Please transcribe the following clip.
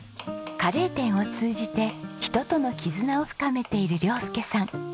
カレー店を通じて人との絆を深めている亮佑さん。